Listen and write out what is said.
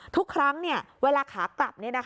ทุกครั้งเวลาขากลับ